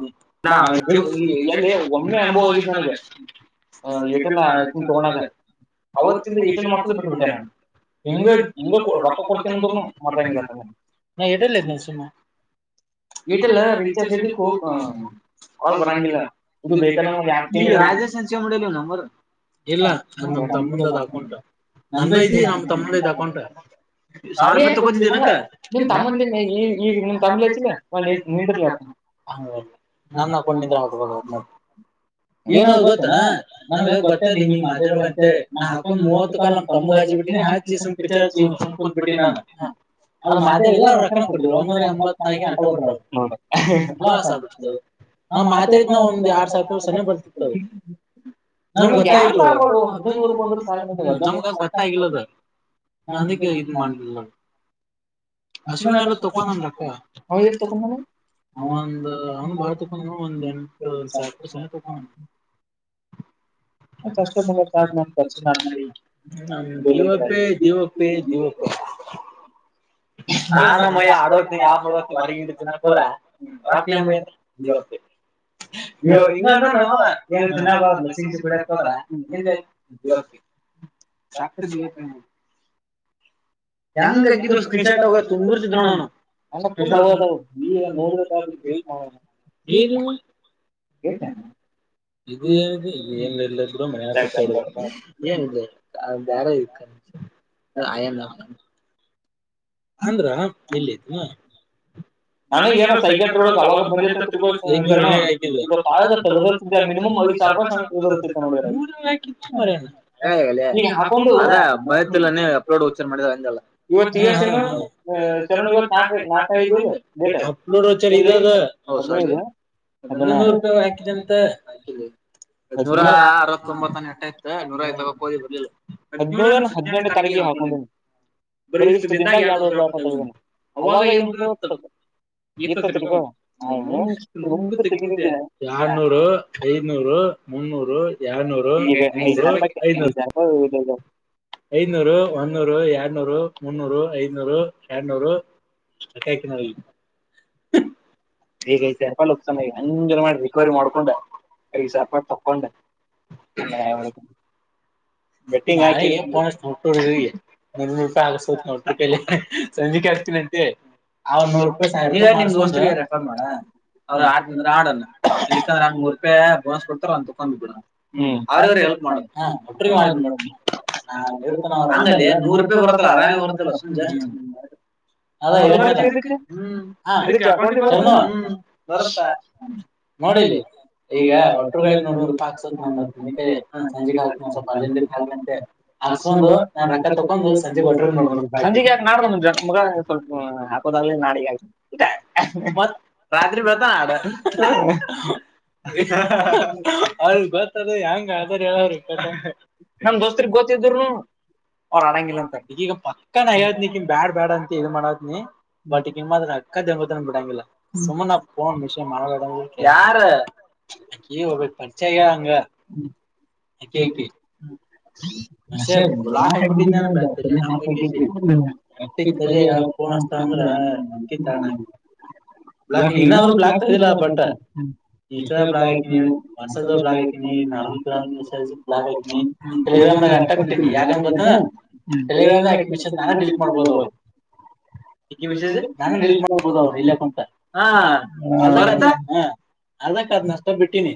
ಹ ನಾ ಎಲ್ಲಿ ಒಮ್ಮೆ ಅನುಭವ ಆಗಿದ್ದ ನನಗೆ ಏಟೆಲ್ ನ ತಗೊಂಡದ ಅವತ್ತಿಂದ ಏಟೆಲ್ ಮಾಡ್ಸೋದು್ ಬಿಟ್ಟುಬಟೆ ನ ಎಂಗ ಇಂಗ ರೊಕ್ಕ ಕೊಡ್ತ ಮಾ ನಾ ಇಡ ಇಲ್ಲ ಇದನ ಸುಮ ಈಟಲ್ಲ ೀಚಾರ್ ಶೆಡ್ ಕಟ್ ಹ್ಮ ಅವಲ್ ಬರಂಗಿಲ್ಲ ಇದು ಬೇಕಮ್ಮ ರಾಜೇಶ್ ಸಂಚಿವಲಿ ನಂಬರ್ ಇಲ್ಲ ಅ ನಮ ತಮ್ಮಂದದ ಹಾೌಂಟ ನಂದ ಇದೀ ನಮ ತಮ್ಮಂದ ಇದ ಹಾಕೌಂಟ ಸಾರ ತಕತಿದ್ದನ ನಿ್ರ ಅ ಹ ನಕೊಂಡ ನಿ್ರ ಆ ಏನ್ ಗೊತ್ತಾ ನಮಗ ಗೊತ್ತೇ ಇಲಿ ನೀ ಮಾತರ್ಬೇಕ ಅಂತಿ ನಾ ಹಾಕೊಂಡ್ ಮೂವತ್ ಕಾಲ್ ನಮ್ ತಮ್ಮಗ ಆಜಿ ಟಿ ಹ ಸಂಪ ಸಂಕ ಪೇಟ್ಟಿ ನಾನ ಅದು ಮದ ಎಲ್ಲ್ರ ರಕನ ಕೊಟ್ಟಿದ ಒನ್ನೂರ ಎಂಬತ್ ನಲ್ಕುಟ ಹೌ ಕೊಟ್ಟ ಹೌದ ಲ್ಸ್ ಆಗತವೆ ನಾವ್ ಮಾತಾಡಿದ್ ನಾವವು ಒಂದ್ ಯರಡ್ ಸಾವಿರ ಸನಿ ಬರ್ತಿರ್ತವೆ ಮ ಹದಿನೈದುೂ ಬ ನಮಗ ಗತ್ತ ಆಗಿಲ್ಲದ ನದಕ್ಕೆ ಇದು ಮಾಡಲ್ಲ ಅಸ ಎಲ್ಲ ತಕಾನ ರಕ್ಕ ಅವಂದ್ ಅವ್ನು ಬಾಳ ತೊಕೊಂಡ ಒಂದ್ ಎಂಟು ಒು ಸ ತಕೊಂಡ [inaudible] ಷ್ಟ ಸಾ ನಕ್ಷ [inaudible] ನಾಾನಮ್ಮಯ್ಯ ಆಡೋಗ್ತನಿ ಯಾವ ಮಾಡಡ್ತನಿ ಹೊರಗ ಇ ಚನ್ನಕ್ ಹೋದ್ರ ರತ್ರಿಯಮ ದಿವಸ ಅಯೋ ಹಿಂಗ ಅನ್ನೋ ನ ಏ ಚೆನ್ನಸಿಂಗ ಕುಡ ನೀೇ ಜವತ್ಕ್ತ ಜವತ್ ಹೆಂಗಗಿದು ಸ್ಕ್ರೀನ್ ಶಾಟ್ ಹೋಗ ತುಂಬುರ್ತಿದ್ ನೋ ನಾನು ನೋ ಗೇ ನ ಇದು ಹೇಳಿದೆ ಏನ್ ಇಲ್ಲದ್ರು ಮನ ಏನ್ಲ್ಲ ಬಾರ ಇ ಆಯ ಅಂದ್ರ ಎಲ್ಲಿಯ್ತನಾ [inaudible] ನನಗೆ ಯಾರ ಸೈಕಲ್ಳ ಅವಾಗ ಬಂದಿನ್ ಪ ನಾೊಂಡ ಅದ ಬಲ್ಲ ಅಪ್ಲೋಡ್ ಹಓಚರ್ ಮಾಡಂದಲ್ಲ ಇವ ಶರಣ್ ಇವತ್ ನಾಕ ನಾಕೈದು ಅಪ್ಲೋಡ್ ಅ ನೂರು ರೂಪಾಯಿ ಹಾಕಿದೆ ಅಂತೆ ಹದ್ ನೂರ ಅರವತ್ತೊಂಬತ್ತನ ಎಟೈಯತತ್ ನೂರ ಐದು ತಗ ಹೋದಿ ಬರ್ಲಿಲ್ಲದ್ ಸಜ್ ತರಗಿ ಹ ಬರ ಇಷ್ಟು ದಿನದಾಗ ಎರಡ್ವ ಸಾವಿ ರೂಪಾಯಿ ತಗಂತ ಅವಾಗ ಏನ್ ಆಗ್ತದೆ ಗತ ತಿ ಮುಗ ತೆಗಿದ್ದ ಆರ್ನೂರು ಐನೂರು ಮುನ್ನೂರು ಯನೂರು ಐದನೂರು ಒನ್ನೂರು ಎಡ್ನೂರು ಮುನ್ನೂರು ಐನೂರು ಎರನೂರು ತಕ ನ ಈಗ ಸರ್ಪಾ್ತಾನಮ್ ಜನ್ ಮಾಡಿ ಬಾರಿ ಮಾಡ್ಕೊಂಡ ಕ ಸರ್ಪಾ ತಕೊಂಡ ಹೌದು ಮೀಟಿಂಗ ಆ ನ ರಪ ಆಗ [unintelligible] ಸಂಜೆ ಕತೀನಂತೆ ಅವ ನೂರು ರೂಪಾಯಿ ಸ ರೆಫರ್ ಮಾಡ ಅವ್ರು ಆಡ್್ರ ಆಡ ಇಡ್ಕಂದ್ರ ಹಂಗ್ ಮೂರು ರೂಪಾಯಿ ಬೋನಸ್ ಕೊಡ್ತಾರ್ ತೊಕೊಂಡ್ ಬಿಡ ಅವ್ರ ಎ ಹ ಒ ಮಾಡ ನಾ ಇರ್ತ ರಂಗ ನೂರು ರೂಪಾಯಿ ಬರುತ್ತಲ್ಲ ಆರಾಮ ಬರು ಲ ಅದ [unintelligible] ಹ್ಮ ಹ್ಮ ಬರುತ್ತ ನೋಡಿಲಿ ಈಗ ಒಟ್ಟರುಗಾಯ ನೋಡ್ ರಪಿ ಹಾಕ್ಸತ್ತ್ ಮ ಸಂಜೆ ಕ ಹಾಕ್ತ್ ನ ಸ್ಲ್ಪಜಂಟಾಂತೆ ಹಾಕ್ಸ್ಡಂದು ನಾನ್ ರೊಕ್ಕ ತಗೊಂಡು ಸಂಜೆ ಒಟ್ಟ್ರ ನೋಡ್ಬ ದ ನಾಡ ಮತ್ತ ರಾತ್ರಿ ಬತ ನಾಡ ಅವ್ರಿಗೆ ಗೊತ್ತದು ಹೆಂಗ ಅ್ರ ಹೇಳ್ರ ಗತ್ತಂಗ ಇನ್ನೊ ದೋಸ್ತ್ಗ್ ಗೊತಿದ್ರುನು ಅವ್ರು ಆಡಂಗಿಲ್ಲ ಅಂತ ಈಗಪ್ಪ ಅಾನಯ್ಮ ಬ್ಯಾಡ್ ಬ್ಯಾಡ್ ಅಂತ ಇದು ಮಾಡೋ್ ನೀಿ [unintelligible] ಬಟ್ಮ್ಮ ಅಕ್ಕಾ ಜಂಗತ್ತನ ಬಿಟ್ಟಾಂಗಲ್ಲ ಸುಮ್ಮ ನಾೋ ವಿಷಯ ಮನ ಇ ಯಾರ ಒಬ್ಬ ಪರಿಚ ಅಂಗ ಆ ಆ ಮೆ ಬು ರಾಕ್ ಆಕ್ಬಿಟ್ಟಿದಾನ [unintelligible] ಯಾವ ಫೋನ್ ಹಚ್ದಅಂದ್ರ ಅಕ್ಕಣ ಬ್ಲಾಕ್ ಇನ್ನಾದ್ರರು ಬ್ಲಾಕ್ತಾ ಇದ್ದಿಲ್ಲ ಬಟ್ ಇನ್ಸ್ ಬ್ಲಾಗ ಹಾನಿ ವಾಟ್ಸ್ಆಪ್ ಬಲ್ ಹಿ ನ ಬಲ ಹ್ರಾಮ ಅರ್ಥ ಕೊಟ್ಟೀನಿ ಯಾಕಂಗ ಗೊತ್ತ ಮ ನಾನ ಡೀಲ್ ಮಾಡ್ಬೋದು ಈ ವಿಶೇಷ ನಾನನ್ಲ್ಪ್ ಮಾಡ್ಬೋದ ಅವ ಇಲ್ಲಕ್ಂತ ಹ ಅದಕ್ಕ ಅದ್ ನಷ್ಟ ಬಿಟ್ಟೀಿನಿ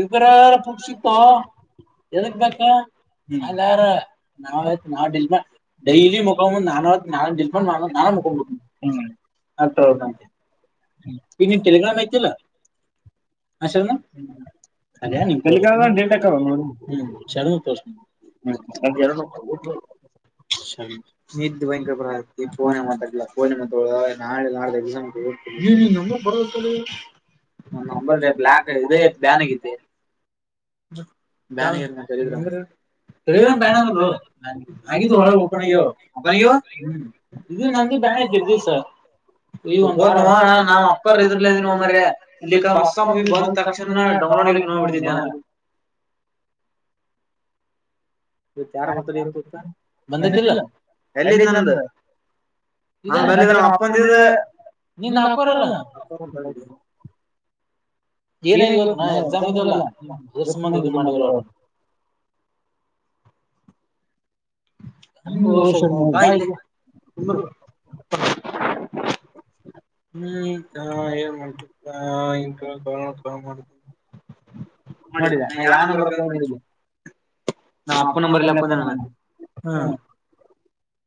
ಇರ ಪುಡ್ ಸಿತೋ ಎದಗ್ ಬು ಅಲ್ಲ ಯಾರ ನಾವ ಆಯ್ತು ನಾವ್ ಡಿಲ್ಮ ಡೈಲಿ ಮುಕ ನಾನ ನಾನಟ್ ನಾನ ಅಟ ಇನ್ಸ್ಟಾಗ್ರಾಮ್ ಆಐತಲ್ಲ ಅಸಲ್ನು ಅದಯ ನಿ ಹ್ಮ್ ಶರ್ಮ ಪ್ರ ಪ್ರಷ ಹ್ಮ ಸರಿ ನಿದು ಭಯಂಕರರ ಆತಿ ಫೋನ್ ಮಾತಾಡ್ಲ್ಲ ಮತ್ತಳ ನಳೆ ನಾಳ ಎಸಂಗ್ ನಂಬರ್ ಇದೆ ಬ್ಲಾಕ್ ಇೇ ಬ್ಯಾನ್ ಆಗತೆ ನಾನ ಏಂದ್ರೆ ಬ ಆಗದು ಒ ಒಪ್ಪನೋ ಒನ ಇದು ನಂದು ತರ್ ಸ ಈ ಒ ನಾ ಅ [unintelligible] ಇದಲ ಇಲ್ಲಿ ಹೊಸ ಮೂವಿ ಬಂದ್ ತಕ್ಷಣ ಡೌನ್ಲೋಡ್ ನೋಬಡ್ತಿದ್ದ ಇತ್ ಯಾರ ಬರ್ತಾರ ಇತ್ತುತ್ತ ಬಂದಕಿಲ್ಲ ಎಲ್ಲಿದ್ ನಮ್ದ ನ ಅಪ್ಪಂದದೆ ನಿಂದ್ ಹಾಕೋರ್ಲ್ಲ ಏನಗವತ್ತು ನಾ ಎದನ್್ ಇರಲ್ಲ ಅತ್ತು ಸುಮಾನ ಇದು ಮಾಡರ [unintelligible] ಸ ಬಾ ಇಲ್ಲ ತ [unintelligible] ಹ್ಮ್ ಏನ್ ಮಾಡ್ತ ಮಾಡಿ ನಡಿದ ನಾ ಯಾವ ನಂಬರ್ ನಿದ್ದ [unintelligible] ನಮ ಅಪ್ಪ ನಂಬರ್ ಇಲ ಹ್ಮ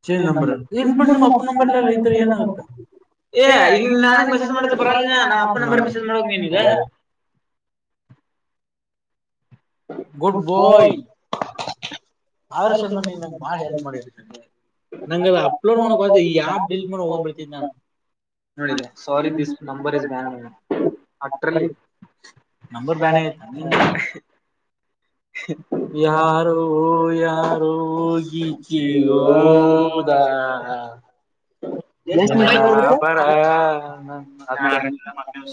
ಚೇಂಜ್ ನಂಬರ್ ಇರ್ಲೀಬಿಡು ನಿಮ್ ಅಪ್ಪ ನಂಬರ್ ಇದ್ದರ್ ಏನಾಗುತ್ತ ಏ ನನ್ನಗ ಮೆಸೇಜ್ ಬರ್ತೈತಿ ಮಾಡ ಪರವಾಗಿಲಾ ನಾ ಅಪ್ಪ ನಂಬರ್ ಮೆಸೇಜ್ ಮಾಡಬೆಕ ನೀನ್ ಈಗ ಗುಡ್ ಬಾಯ್ ಅವ್ರ ಸಣ ನಂಗೆ ಬಾಳ ಹೆಲ್ಪ್ ಮಾಡಿ ನಂಗ ಅ ಅಪ್ಲೋಡ್ ಮಾಡೋ ಕೊ ಆಪ್ ಡಿಲೀಟ್ ಮಾಡಿ ಒಗದು ಬಿಡುತ್ತೇನ ನೋಡಿಲ್ಲ sorry this number is ban ಅಟ್ರಲ್ಲಿ ನಂಬರ್ ಬ್ಯಾನ ಆಗಿದೆನ ತ ಯಾರ ಯಾ ಯಾರು ಗೀಚಿ ಹೋದಾ [unintelligible]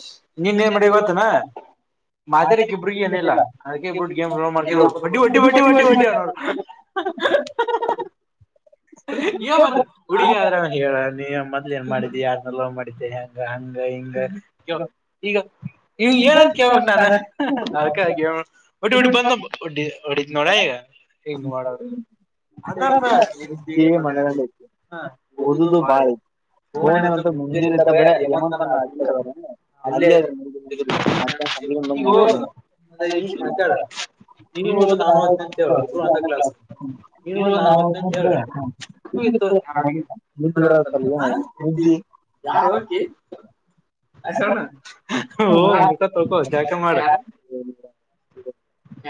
ನಿನ್ನೆ ಮಾಡಿವತ್ತು [unintelligible] ಮಾತಡಕ್ ಇಬ್ರಿಗೆ ಏನಿಲ್ಲ ಅದಕ್ಕೆ ಇಬ ಗೇಮ್ ಹೊಡಿ ಹೊಡಿ ಹೊಡಿ [unintelligible] [unintelligible] ಹುಡುಗ ಆದ್ರ ಹೇಳ ನೀವ ಮೊದಲ ಏನ್ ಮಾಡಿದ್ದಿ ಯಾರನ ಲವ್ ಮಾಡಿದ್ದ ಹೆಂಗ ಹ [unintelligible] ಈಗ ಈಗ ಏನಂತ ಕೇಳ್ಬಕ್ ನಾನು ಅಕ ಒಟ್ಟ ಒಟ್ಟ ಬಂದ ಒಡ್ [unintelligible] ಹೋಡತಿನೀ ನೋಡು ಈಗ ಅದ ಇದ್ದೇ ಮನೆಯ ಓದುದು ಬಾಳ ಐತ್ತಿ ಫೋನ್ ಬಂತ ಮುಂಜೆನ ಇದ ಬರೇ ಯ [unintelligible] ಅಲ್ಲೇ ಅ ನ ಮುಂದಿ ಮಧ್ಯಾಹ್ನ [unintelligible] [unintelligible] ಇದು ನಾವು ಹೇಳ [unintelligible] [unintelligible] ಹಾಯ್ ಶರಣ್ ಮುಕಾ ತೋಳಕೋ ಜಳಕ ಮಾಡ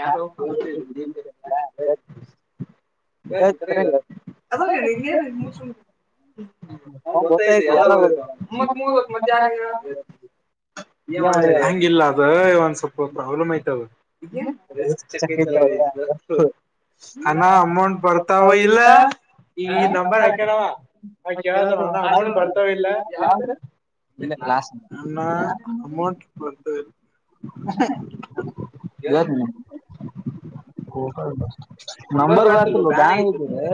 ಯಾರ [unintelligible] ಸರಿ ಸರಿ ಸರಿ ಅದ [unintelligible] ಅವ್ನ್ ಗೊತ್ತಾಯ್ತು [unintelligible] ಮತ್ತು ಮುಗುದ್ ಹೋಯ್ತು ಮಾಡ ಹೆಂಗಿಲ್ಲ ಅದ ಒಂದ್ ಸ್ವಲ್ಪ ಪ್ರಾಬ್ಲಮ್ ಯ್ತದ [unintelligible] [unintelligible] ಅನ್ನಾ ಅಮೌಂಟ್ ಬರ್ತಾವ ಇಲ್ಲ ಈ ನಂಬರ್ ಹಾಕನವ ನಾ ಕೇಳತಣ ಅವನು ಭರ್ತವ ಇಲ್ಲ ಯಾರು ಅ ಅಮೌಂಟ್ ಬರ್ತದೆ [unintelligible] ನಂಬರ್ ಬತಿಲ್ ಬ್ಯಾನ್ ಹೇತಿದೆ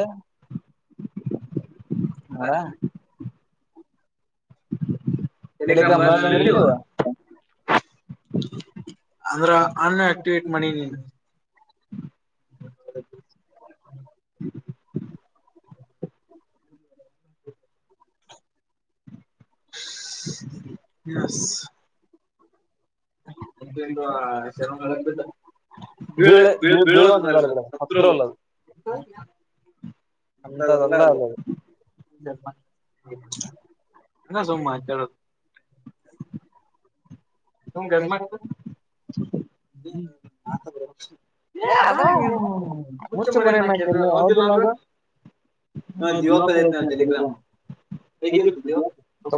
[unintelligible] ಎಲ್ಲಿ [unintelligible] ಅಂದ್ರ ಅನ್ ಆಕ್ಟಿವೇಟ್ ಮಾಡಿ ನೀನು [unintelligible] [unintelligible] ಎಸ್ [unintelligible] [unintelligible] ಬೀಳ ಬಳ್ ಬೀಳುವಂತದ್ದ ಮೇಡಮ್ ಸಲ್ಲ [unintelligible] ಹಂಗ ಸುಮ್ ಮಾತಾಡೋದು [unintelligible] ಏ ಅದಾ ನಿ ಮುಚ್ಚೆ ಮರೆನ್ ಆಕಿಲ್ಲ ಯಾವದಿಲ್ಲಾಗ [unintelligible] [unintelligible] ತ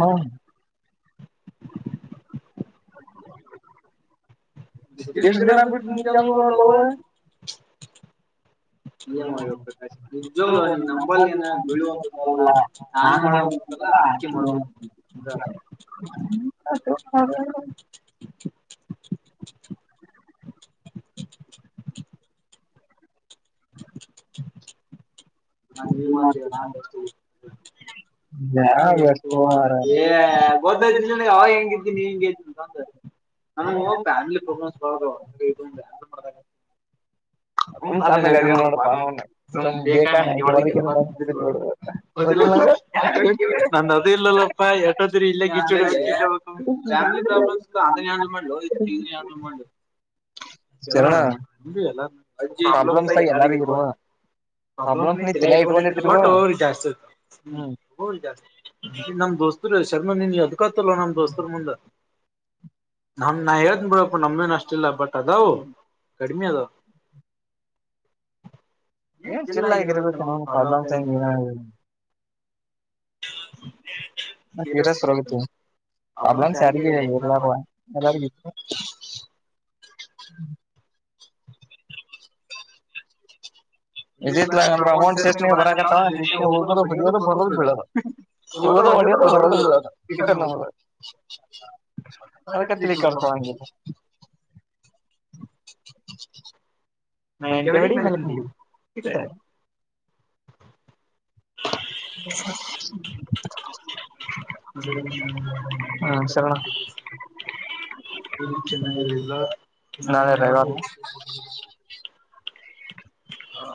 ನ ಎಷ್ಟ ದಿನ ಬಿ ಮಂಗ ಇೇ ಮಾಡ ಪ್ರಕಾಶ್ ನಿಜೋಲ ನೀನ್ ನಂಬಲ್ಲಿ ಏನ ಬೀಳುವಂತದ್ದಲ್ಲ ಸ್ನಾನು ಮಾಡುವಂಂತದ್ದ ಎ ಆಯ್ಕೆ ಮಾಡುವಂಂತಂದ ಹ [inaudible] [inaudible] ನಮತರ ಹಾಸ್ ಮಾರ ಗೊತ್ತಾಯ್ತ ಅವ ಹೆಂಗ ನೀ ಹೆಂಗ ತಂತ ನಮ್ಯ ಹ ತಂದ ನೋಡ್ ಬೇಕ ಒಳಗೆಲ್ಲ ಬ ನ ಅದು ಇಲ್ಲಲ್ಲಪ್ಪ ಎಟದ್ರ ಇಲ್ಲ ಗಿ ಅದ್ಯಾಲ್ ಮಾಡ್ಯಾ ಮಾಡ್ಲು [inaudible] ಣ ಬ ಎಲ್ಲ ಅಜಿ ಇಲಮಸಾ ಎಲ್ಲಾರು ಇರುವ ನಿಟ್ಟೋಗ ಜಾಸ್ತಿ ಹ್ಮೋಗಾಸ್ತಿ ದೋಸ್ತರು ಶರ್ಮಂದಿನ ಅದ್ಕತ್ತಲ್ಲ ನಮ್ ದೋಸ್ತರ ಮುಂದೆ ನಮ್ ನಾ ಹೇ್ದ ಬಿಡಪ್ಪ ನಮೇನ್ ಅಷ್ಟಿಲ್ಲ ಬಟ್ ಅದಾವ ಗಡಿಮಿ ಅದಾವ ಏನ್ ಚಿಲ್ಲಲ್ ಆಗಿರ್ಬೇಕು ಏನಂದು ಪ್ರಾಬ್ಲಮ್ಸ್ ಏನ ಮ ತೀರರಗುತ್ತ ಅಬ್ಲಂ ಸಾರಿಗೆಲ ಎಲ್ಲಗ ಹ್ಮ್ [inaudible] ಭರೋಗ ಸ ಬರ ಬೇ ಹ ಮಾಡತ ನ ತಕಕಲ ಸಮ ನಟವಳಿ ಮೇಲೆ ತಟ ತೆ ಹ ಹಾ ಸಲ ನಾ ರ ರೈವ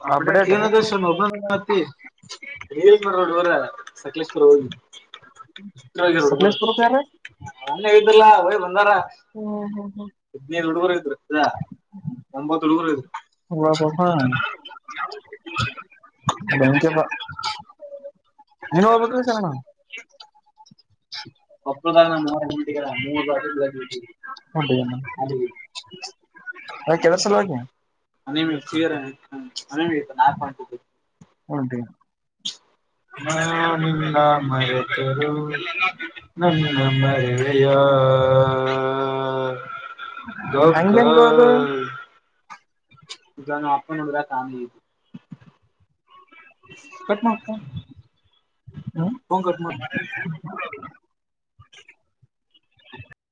ಅಪಡೇಟ್ ಇನ ಸ ನಬ ಯಲ್ ಮಾಡ ರೋಡ್ ಇವರ ಸಕಲೇಶ್ಪುರ್ ಹೋಗಿ ಇಗೆರಡುರುತರ ನ ಇದ್ದಲ್ಲಾ ಅವಯ ಬಂದಾರ ಇನಿ ಹುಡುಗರು ಇದ ಒತ್ತು ತೊಡಗರು ಹಬ ಹಾ ಬಕಪ್ಪ ನೀನು ಹೋಗ್ಬೇಕ ಸಣ ಸಪಧಾನ ಕೆಲಸ ಅಲ್ ಹ ನತ ಉಂಟೀ [inaudible] ಹ್ಮ ಹ್ಮ ಹನು ಹೌದು ಗಾನ ಆು ನ ಬರ ಕಾಮ ಹ [inaudible]